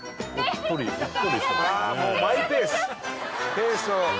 ペースを。